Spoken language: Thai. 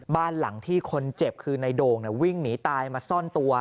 บ้านหลังที่คนเจ็บคือในโด่งวิ่งหนีตายมาซ่อนตัว